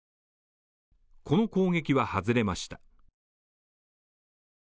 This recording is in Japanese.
この攻撃は外れました。